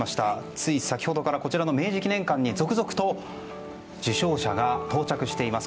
つい先ほどから明治記念館に続々と受賞者が到着しています。